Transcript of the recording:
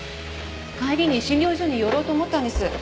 帰りに診療所に寄ろうと思ったんです。